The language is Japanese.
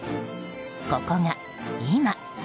ここが、今。